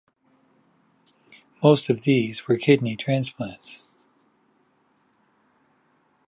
Most of these were kidney transplants.